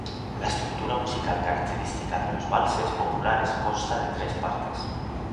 La estructura musical característica de los valses populares consta de tres partes.